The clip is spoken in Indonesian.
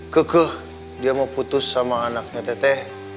kekeh dia mau putus sama anaknya teteh